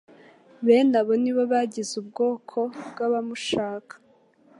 Bene abo ni bo bagize ubwoko bw’abamushaka